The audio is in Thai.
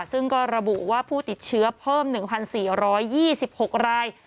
ซึ่งก็ระบุว่าผู้ติดเชื้อเพิ่ม๑๔๒๖ราย